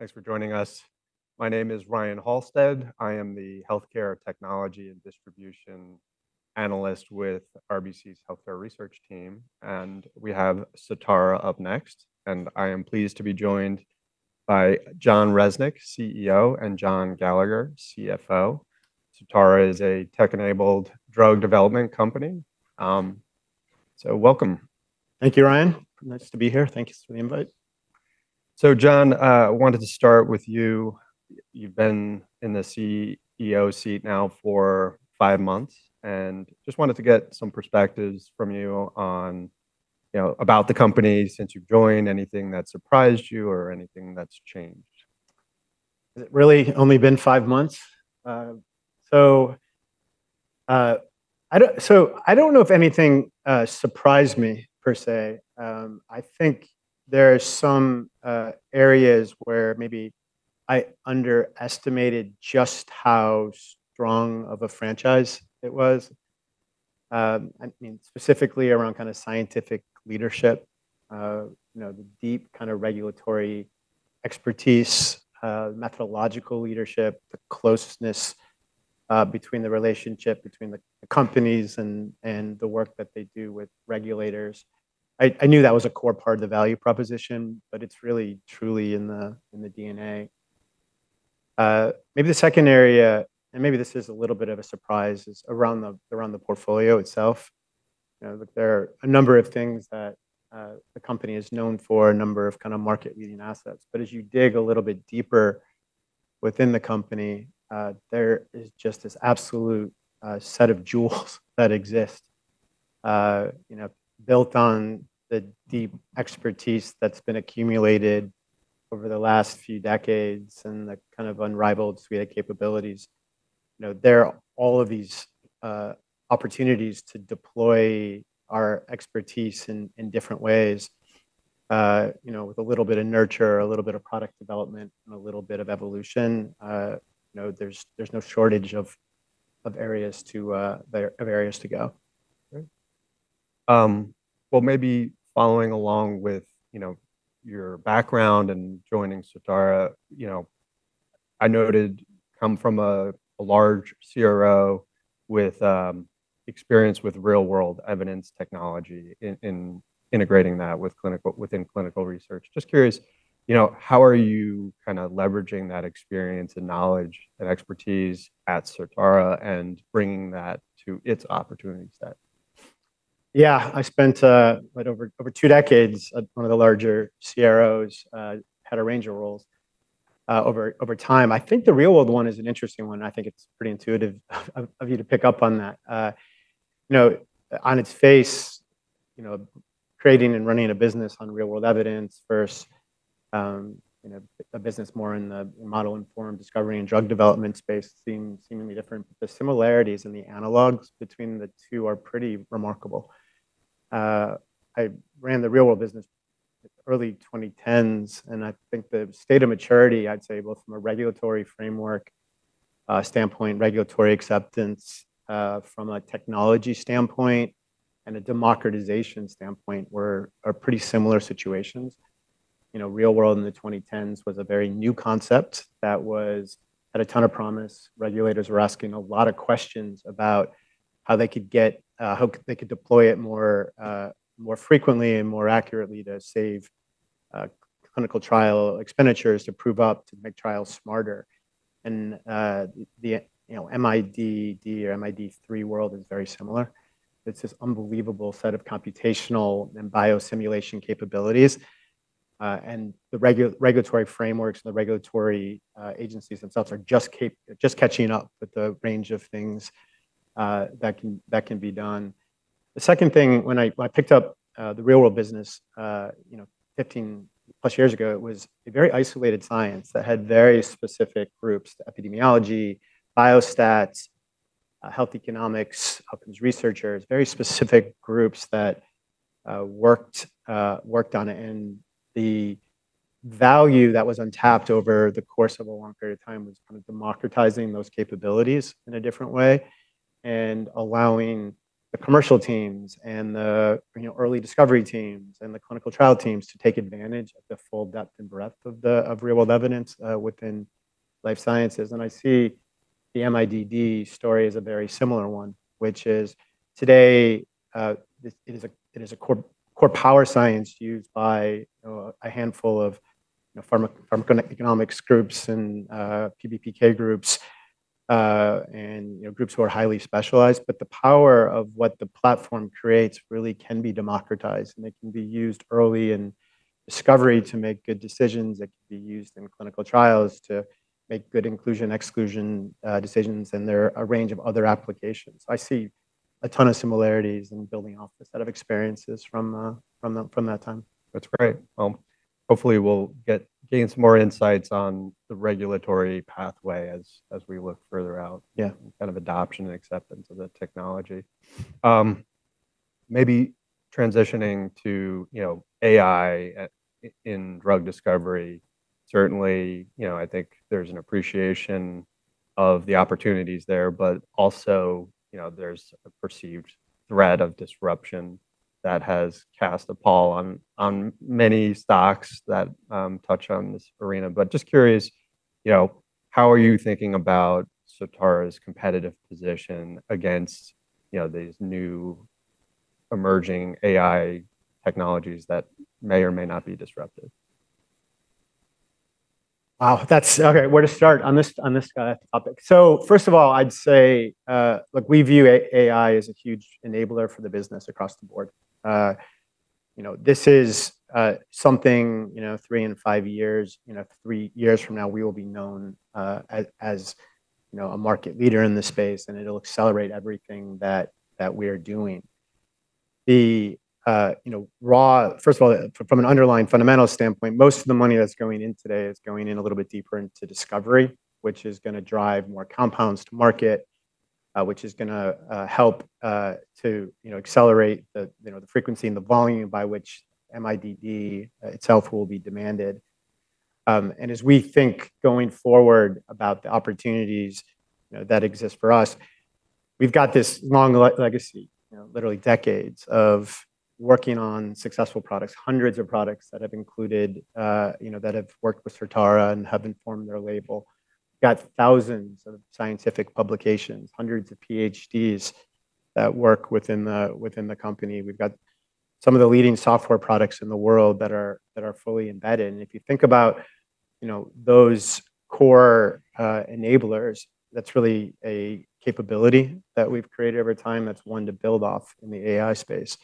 Thanks for joining us. My name is Ryan Halsted. I am the Healthcare Technology and Distribution Analyst with RBC's Healthcare Research Team. We have Certara up next. I am pleased to be joined by Jon Resnick, CEO, and John Gallagher, CFO. Certara is a tech-enabled drug development company. Welcome. Thank you, Ryan. Nice to be here. Thank you for the invite. Jon, I wanted to start with you. You've been in the CEO seat now for five months, and just wanted to get some perspectives from you on, you know, about the company since you've joined, anything that surprised you or anything that's changed. Has it really only been five months? I don't know if anything surprised me per se. I think there are some areas where maybe I underestimated just how strong of a franchise it was. I mean, specifically around kinda scientific leadership, you know, the deep kinda regulatory expertise, methodological leadership, the closeness between the relationship between the companies and the work that they do with regulators. I knew that was a core part of the value proposition, but it's really truly in the DNA. Maybe the second area, maybe this is a little bit of a surprise, is around the portfolio itself. You know, look, there are a number of things that the company is known for, a number of kinda market-leading assets. As you dig a little bit deeper within the company, there is just this absolute set of jewels that exist, you know, built on the deep expertise that's been accumulated over the last few decades and the kind of unrivaled suite of capabilities. You know, there are all of these opportunities to deploy our expertise in different ways. You know, with a little bit of nurture, a little bit of product development, and a little bit of evolution, you know, there's no shortage of areas to go. Great. Well, maybe following along with, you know, your background and joining Certara, you know, I noted come from a large CRO with experience with real-world evidence technology in integrating that with clinical, within clinical research. Just curious, you know, how are you kinda leveraging that experience and knowledge and expertise at Certara and bringing that to its opportunity set? Yeah. I spent over two decades at one of the larger CROs, had a range of roles over time. I think the real-world one is an interesting one. I think it's pretty intuitive of you to pick up on that. On its face, you know, creating and running a business on real-world evidence versus, you know, a business more in the model-informed discovery and drug development space seemingly different, but the similarities and the analogs between the two are pretty remarkable. I ran the real-world business early 2010s, and I think the state of maturity, I'd say both from a regulatory framework standpoint, regulatory acceptance, from a technology standpoint and a democratization standpoint were a pretty similar situations. You know, real world in the 2010s was a very new concept that was had a ton of promise. Regulators were asking a lot of questions about how they could get, how they could deploy it more frequently and more accurately to save clinical trial expenditures to prove up to make trials smarter. The, you know, MIDD or MID3 world is very similar. It's this unbelievable set of computational and biosimulation capabilities, and the regulatory frameworks and the regulatory agencies themselves are just catching up with the range of things that can be done. The second thing when I picked up the real world business, you know, 15+ years ago, it was a very isolated science that had very specific groups, the epidemiology, biostats, health economics, outcomes researchers, very specific groups that worked on it. The value that was untapped over the course of a long period of time was kind of democratizing those capabilities in a different way and allowing the commercial teams and the, you know, early discovery teams and the clinical trial teams to take advantage of the full depth and breadth of the real-world evidence within life sciences. I see the MIDD story as a very similar one, which is today, it is a core power science used by, you know, a handful of, you know, pharmacoeconomics groups and PBPK groups, and, you know, groups who are highly specialized. The power of what the platform creates really can be democratized, and it can be used early in discovery to make good decisions. It can be used in clinical trials to make good inclusion, exclusion, decisions, and there are a range of other applications. I see a ton of similarities in building off the set of experiences from that time. That's great. Well, hopefully we'll gain some more insights on the regulatory pathway as we look further out— Yeah. —kind of adoption and acceptance of the technology. Maybe transitioning to, you know, AI in drug discovery, certainly, you know, I think there's an appreciation of the opportunities there, but also, you know, there's a perceived threat of disruption that has cast a pall on many stocks that touch on this arena. Just curious, you know, how are you thinking about Certara's competitive position against, you know, these new emerging AI technologies that may or may not be disruptive? Wow, that's, okay, where to start on this topic? First of all, I'd say, look, we view AI as a huge enabler for the business across the board. You know, this is something, you know, three and five years, you know, three years from now, we will be known as, you know, a market leader in this space, and it'll accelerate everything that we are doing. First of all, from an underlying fundamental standpoint, most of the money that's going in today is going in a little bit deeper into discovery, which is going to drive more compounds to market, which is going to help to, you know, accelerate the, you know, the frequency and the volume by which MIDD itself will be demanded. As we think going forward about the opportunities, you know, that exist for us, we've got this long legacy, you know, literally decades of working on successful products, hundreds of products that have included, you know, that have worked with Certara and have informed their label. Got thousands of scientific publications, hundreds of PhDs that work within the company. We've got some of the leading software products in the world that are, that are fully embedded. If you think about, you know, those core enablers, that's really a capability that we've created over time that's one to build off in the AI space.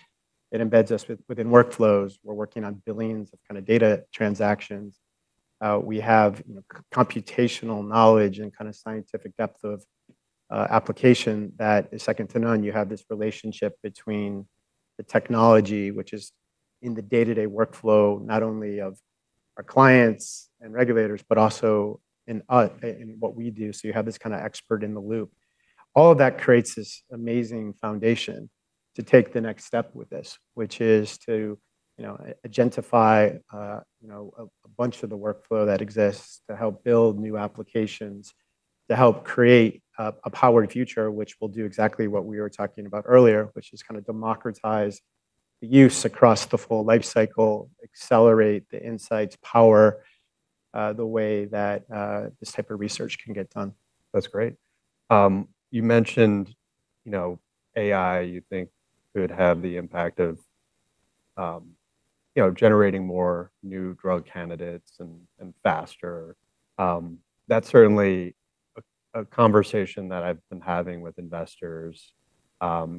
It embeds us within workflows. We're working on billions of kinda data transactions. We have, you know, computational knowledge and kinda scientific depth of application that is second to none. You have this relationship between the technology, which is in the day-to-day workflow, not only of our clients and regulators, but also in us, in what we do, so you have this kinda expert in the loop. All of that creates this amazing foundation to take the next step with this, which is to, you know, agentify, you know, a bunch of the workflow that exists to help build new applications, to help create a powered future which will do exactly what we were talking about earlier, which is kinda democratize the use across the full life cycle, accelerate the insights, power the way that this type of research can get done. That's great. You mentioned, you know, AI you think could have the impact of, you know, generating more new drug candidates and faster. That's certainly a conversation that I've been having with investors,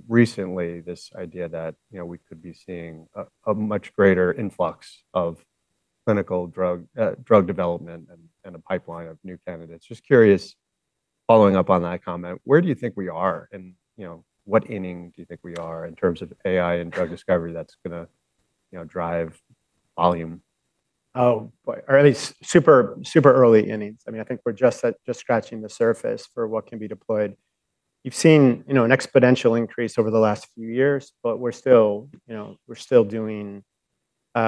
recently, this idea that, you know, we could be seeing a much greater influx of clinical drug development and a pipeline of new candidates. Just curious, following up on that comment, where do you think we are in, you know, what inning do you think we are in terms of AI and drug discovery that's gonna, you know, drive volume? Oh, boy. Early, super early innings. I mean, I think we're just scratching the surface for what can be deployed. You've seen, you know, an exponential increase over the last few years, but we're still, you know, we're still doing, you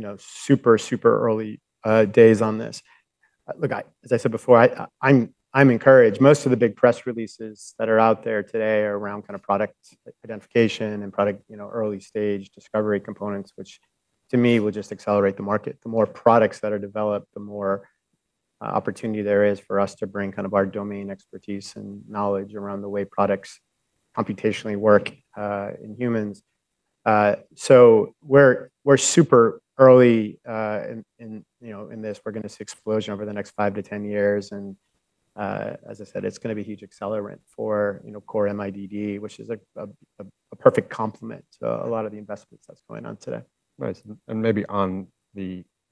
know, super early days on this. Look, as I said before, I'm encouraged. Most of the big press releases that are out there today are around kind of product identification and product, you know, early-stage discovery components, which to me will just accelerate the market. The more products that are developed, the more opportunity there is for us to bring kind of our domain expertise and knowledge around the way products computationally work in humans. We're super early in, you know, in this. We're gonna see explosion over the next 5-10 years and, as I said, it's gonna be huge accelerant for, you know, core MIDD, which is a perfect complement to a lot of the investments that's going on today. Right. Maybe on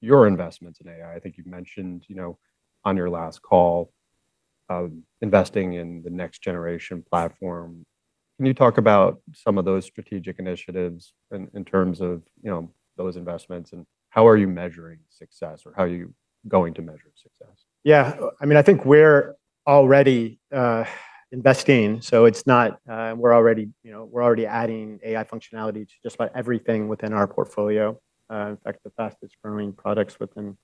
your investments in AI, I think you've mentioned, you know, on your last call, investing in the next-generation platform. Can you talk about some of those strategic initiatives in terms of, you know, those investments, and how are you measuring success, or how are you going to measure success? I mean, I think we're already investing, so it's not, we're already, you know, we're already adding AI functionality to just about everything within our portfolio. In fact, the fastest growing products within,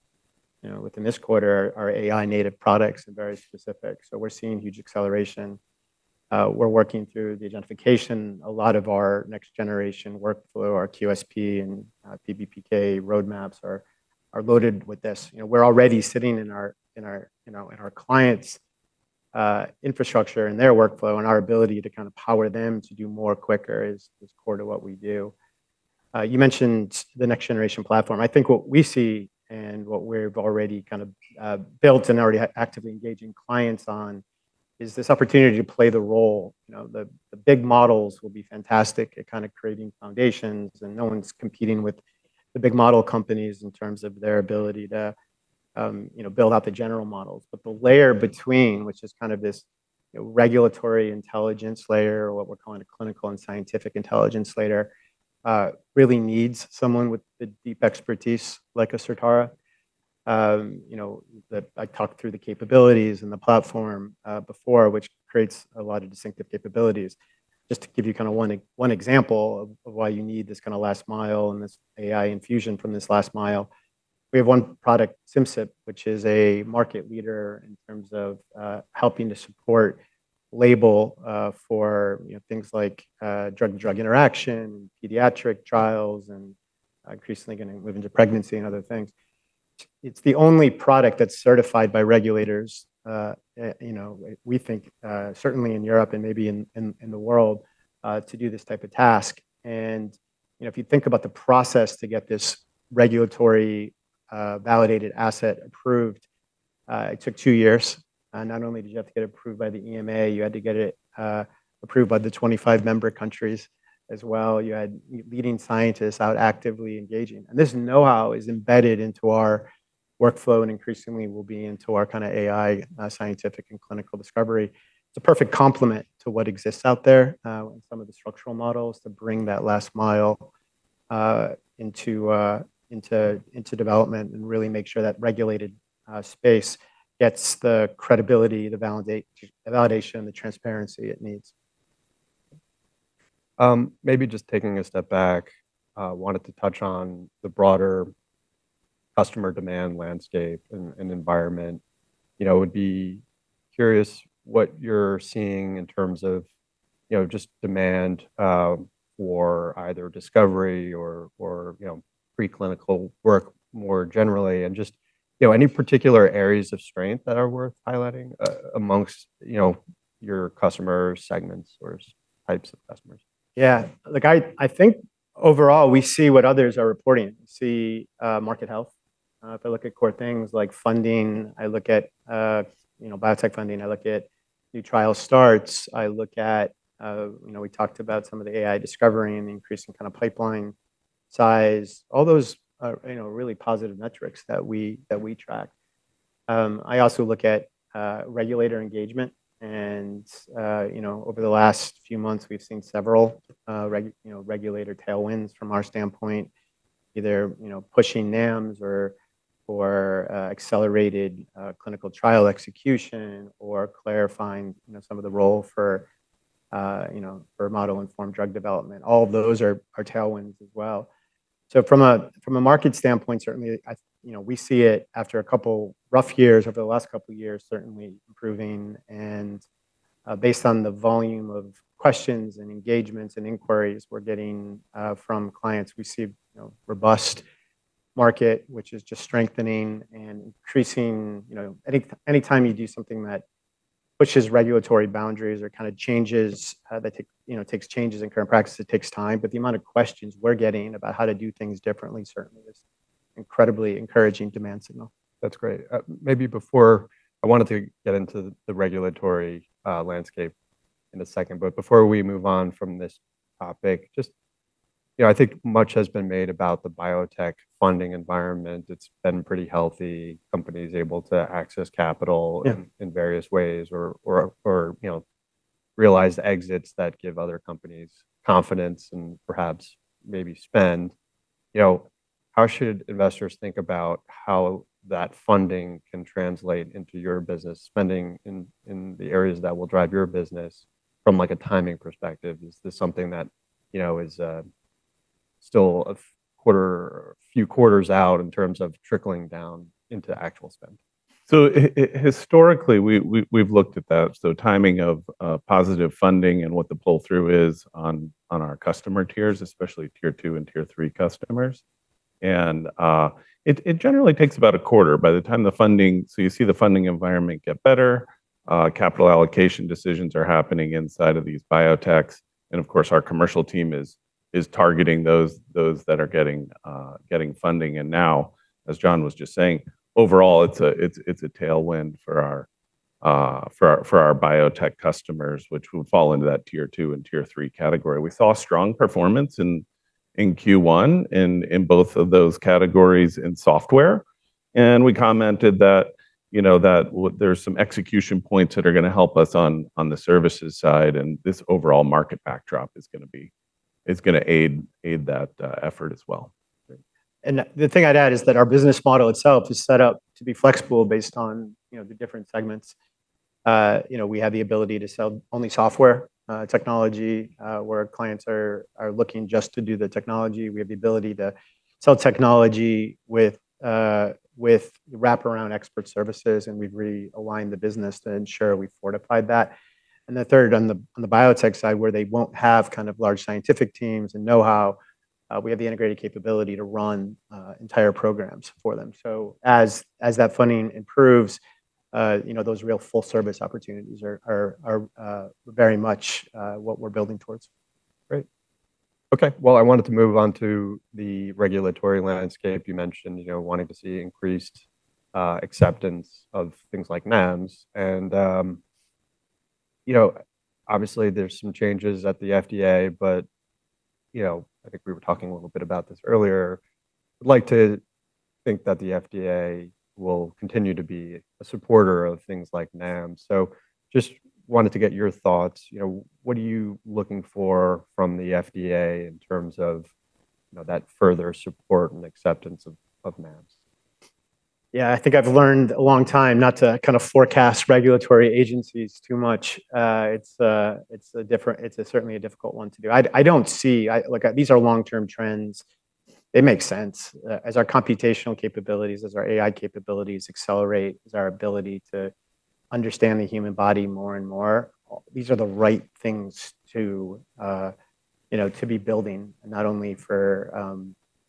you know, within this quarter are AI-native products and very specific. We're seeing huge acceleration. We're working through the agentification. A lot of our next-generation workflow, our QSP and PBPK roadmaps are loaded with this. You know, we're already sitting in our, you know, in our clients' infrastructure and their workflow, and our ability to kinda power them to do more quicker is core to what we do. You mentioned the next-generation platform. I think what we see and what we've already kind of built and already actively engaging clients on is this opportunity to play the role. You know, the big models will be fantastic at kinda creating foundations. No one's competing with the big model companies in terms of their ability to, you know, build out the general models. The layer between, which is kind of this, you know, regulatory intelligence layer, or what we're calling a clinical and scientific intelligence layer, really needs someone with the deep expertise like a Certara. You know, I talked through the capabilities and the platform before, which creates a lot of distinctive capabilities. Just to give you kinda one example of why you need this kinda last mile and this AI infusion from this last mile. We have one product, Simcyp, which is a market leader in terms of helping to support label for, you know, things like drug-drug interaction, pediatric trials, and increasingly going to move into pregnancy and other things. It's the only product that's certified by regulators, you know, we think, certainly in Europe and maybe in the world, to do this type of task. You know, if you think about the process to get this regulatory validated asset approved, it took two years. Not only did you have to get approved by the EMA, you had to get it approved by the 25 member countries as well. You had leading scientists out actively engaging. This know-how is embedded into our workflow and increasingly will be into our kind of AI scientific and clinical discovery. It's a perfect complement to what exists out there, some of the structural models to bring that last mile into development and really make sure that regulated space gets the credibility, the validation, the transparency it needs. Maybe just taking a step back, wanted to touch on the broader customer demand landscape and environment. You know, would be curious what you're seeing in terms of, you know, just demand for either discovery or, you know, preclinical work more generally. Just, you know, any particular areas of strength that are worth highlighting amongst, you know, your customer segments or types of customers? Yeah. Look, I think overall we see what others are reporting. We see market health. If I look at core things like funding, I look at, you know, biotech funding, I look at new trial starts, I look at, you know, we talked about some of the AI discovery and the increasing kind of pipeline size. All those are, you know, really positive metrics that we track. I also look at regulator engagement and, you know, over the last few months, we've seen several, you know, regulator tailwinds from our standpoint, either, you know, pushing NAMS or, accelerated clinical trial execution or clarifying, you know, some of the role for, you know, for model-informed drug development. All of those are tailwinds as well. From a, from a market standpoint, certainly, you know, we see it after a couple rough years, over the last couple years, certainly improving. Based on the volume of questions and engagements and inquiries we're getting, from clients, we see, you know, robust market, which is just strengthening and increasing. You know, anytime you do something that pushes regulatory boundaries or kind of changes, that take, you know, takes changes in current practices, it takes time. The amount of questions we're getting about how to do things differently certainly is incredibly encouraging demand signal. That's great. Maybe I wanted to get into the regulatory landscape in a second. Before we move on from this topic, just, you know, I think much has been made about the biotech funding environment. It's been pretty healthy, companies able to access capital— Yeah. —in various ways or, you know, realize exits that give other companies confidence and perhaps maybe spend. You know, how should investors think about how that funding can translate into your business spending in the areas that will drive your business from, like, a timing perspective? Is this something that, you know, is still a quarter or a few quarters out in terms of trickling down into actual spend? Historically, we've looked at that. Timing of positive funding and what the pull-through is on our customer tiers, especially Tier 2 and Tier 3 customers. It generally takes about a quarter. You see the funding environment get better, capital allocation decisions are happening inside of these biotechs, and of course, our commercial team is targeting those that are getting funding. Now, as Jon was just saying, overall, it's a tailwind for our biotech customers, which would fall into that Tier 2 and Tier 3 category. We saw strong performance in Q1 in both of those categories in software. We commented that, you know, that there's some execution points that are gonna help us on the services side, and this overall market backdrop is gonna aid that effort as well. The thing I'd add is that our business model itself is set up to be flexible based on, you know, the different segments. You know, we have the ability to sell only software technology where clients are looking just to do the technology. We have the ability to sell technology with wraparound expert services, and we've realigned the business to ensure we fortified that. The third, on the biotech side, where they won't have kind of large scientific teams and know-how, we have the integrated capability to run entire programs for them. As that funding improves, you know, those real full service opportunities are very much what we're building towards. Great. Okay. Well, I wanted to move on to the regulatory landscape. You mentioned, you know, wanting to see increased acceptance of things like NAMS. You know, obviously, there's some changes at the FDA, I think we were talking a little bit about this earlier. I'd like to think that the FDA will continue to be a supporter of things like NAMS. Just wanted to get your thoughts. You know, what are you looking for from the FDA in terms of, you know, that further support and acceptance of NAMS? Yeah, I think I've learned a long time not to kind of forecast regulatory agencies too much. It's certainly a difficult one to do. Like, these are long-term trends. They make sense. As our computational capabilities, as our AI capabilities accelerate, as our ability to understand the human body more and more, these are the right things to, you know, to be building, not only for,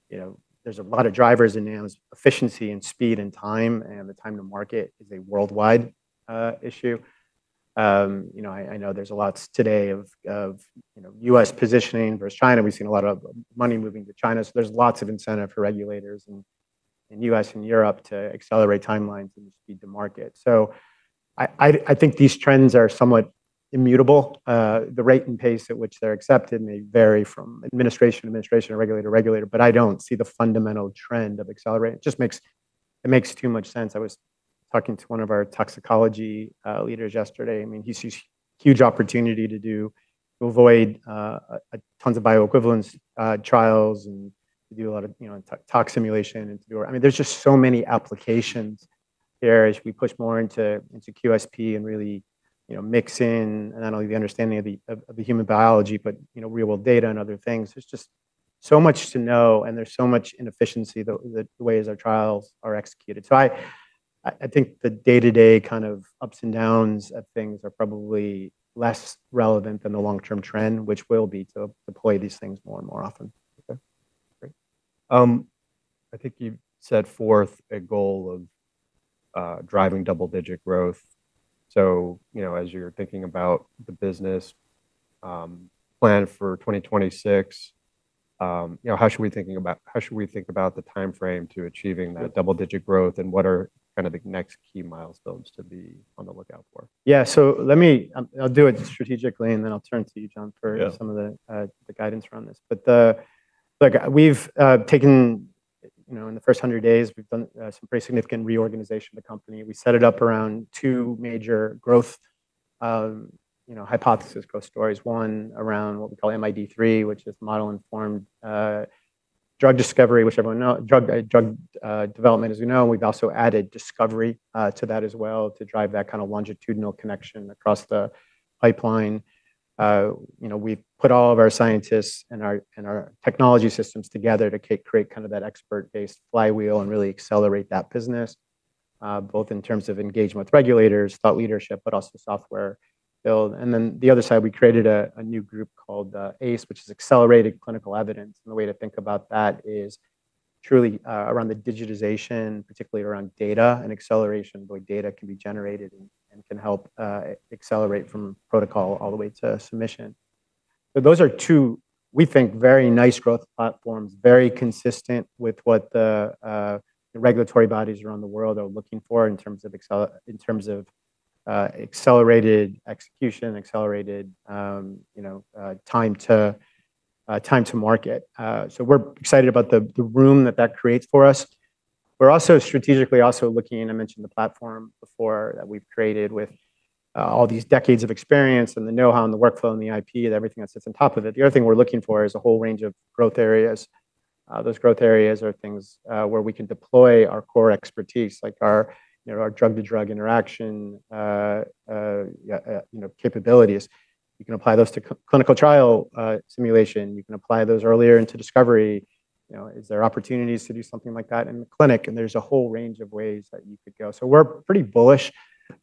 you know, there's a lot of drivers in efficiency and speed and time, and the time to market is a worldwide issue. You know, I know there's a lot today of, you know, U.S. positioning versus China. We've seen a lot of money moving to China. There's lots of incentive for regulators in U.S. and Europe to accelerate timelines and speed to market. I think these trends are somewhat immutable. The rate and pace at which they're accepted may vary from administration to administration or regulator to regulator, but I don't see the fundamental trend of accelerating. It just makes too much sense. I was talking to one of our toxicology leaders yesterday. I mean, he sees huge opportunity to avoid tons of bioequivalence trials and to do a lot of, you know, tox simulation. I mean, there's just so many applications here as we push more into QSP and really, you know, mix in and not only the understanding of the human biology, but you know, real-world data and other things. There's just so much to know, and there's so much inefficiency the ways our trials are executed. I think the day-to-day kind of ups and downs of things are probably less relevant than the long-term trend, which will be to deploy these things more and more often. Okay. Great. I think you set forth a goal of driving double-digit growth. You know, as you're thinking about the business, plan for 2026, you know, how should we think about the timeframe to achieving that double-digit growth, and what are kind of the next key milestones to be on the lookout for? Yeah. I'll do it strategically, and then I'll turn to you, John— Yeah. —for some of the guidance around this. Look, we've taken, you know, in the first 100 days, we've done some pretty significant reorganization of the company. We set it up around two major growth, you know, hypothesis growth stories. One around what we call MID3, which is model-informed drug discovery, drug development, as we know, and we've also added discovery to that as well to drive that kind of longitudinal connection across the pipeline. You know, we've put all of our scientists and our technology systems together to create kind of that expert-based flywheel and really accelerate that business, both in terms of engagement with regulators, thought leadership, but also software build. Then the other side, we created a new group called ACE, which is Accelerated Clinical Evidence. The way to think about that is truly around the digitization, particularly around data and acceleration, the way data can be generated and can help accelerate from protocol all the way to submission. Those are two, we think, very nice growth platforms, very consistent with what the regulatory bodies around the world are looking for in terms of accelerated execution, accelerated, you know, time to market. We're excited about the room that creates for us. We're also strategically also looking, and I mentioned the platform before, that we've created with all these decades of experience and the know-how and the workflow and the IP and everything that sits on top of it. The other thing we're looking for is a whole range of growth areas. Those growth areas are things where we can deploy our core expertise, like our, you know, our drug-drug interaction, you know, capabilities. You can apply those to clinical trial simulation. You can apply those earlier into discovery. You know, is there opportunities to do something like that in the clinic? There's a whole range of ways that you could go. We're pretty bullish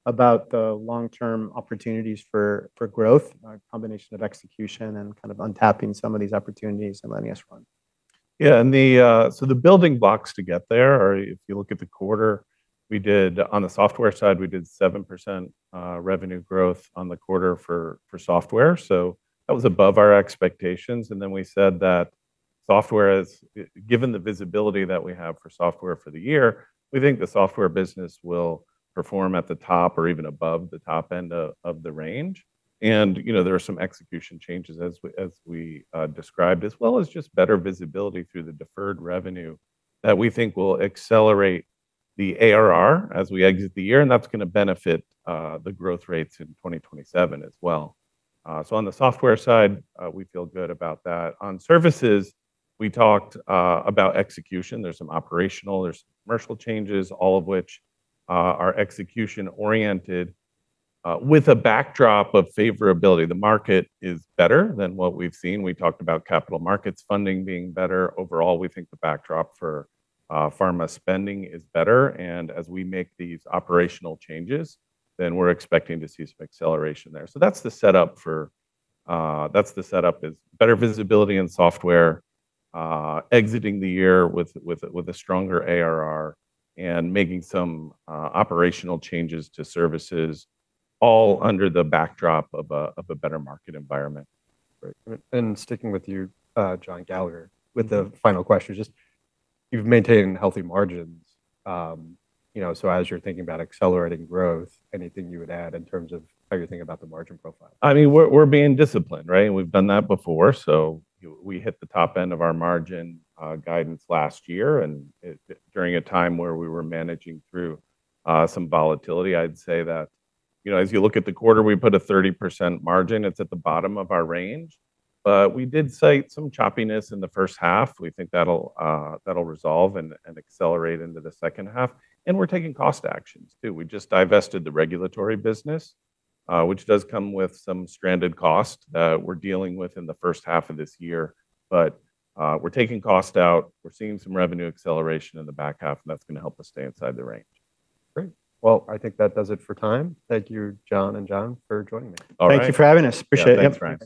about the long-term opportunities for growth, a combination of execution and kind of untapping some of these opportunities [that led us to one]. The building blocks to get there are if you look at the quarter, on the software side, we did 7% revenue growth on the quarter for software. That was above our expectations. Given the visibility that we have for software for the year, we think the software business will perform at the top or even above the top end of the range. You know, there are some execution changes as we described, as well as just better visibility through the deferred revenue that we think will accelerate the ARR as we exit the year, and that's gonna benefit the growth rates in 2027 as well. On the software side, we feel good about that. On services, we talked about execution. There's some operational, there's commercial changes, all of which are execution-oriented, with a backdrop of favorability. The market is better than what we've seen. We talked about capital markets funding being better. Overall, we think the backdrop for pharma spending is better. As we make these operational changes, we're expecting to see some acceleration there. That's the setup for that's the setup is better visibility in software, exiting the year with a stronger ARR and making some operational changes to services all under the backdrop of a better market environment. Great. sticking with you, John Gallagher with a final question. Just you've maintained healthy margins, you know, as you're thinking about accelerating growth, anything you would add in terms of how you're thinking about the margin profile? I mean, we're being disciplined, right? We've done that before. We hit the top end of our margin guidance last year, during a time where we were managing through some volatility. I'd say that, you know, as you look at the quarter, we put a 30% margin. It's at the bottom of our range. We did cite some choppiness in the first half. We think that'll resolve and accelerate into the second half. We're taking cost actions too. We just divested the regulatory business, which does come with some stranded cost that we're dealing with in the first half of this year. We're taking cost out. We're seeing some revenue acceleration in the back half, and that's going to help us stay inside the range. Great. Well, I think that does it for time. Thank you, John and Jon, for joining me. All right. Thank you for having us. Appreciate it. Yeah. Thanks, Ryan.